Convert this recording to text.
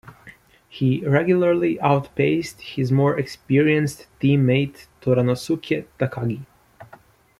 He regularly out-paced his more experienced teammate Toranosuke Takagi.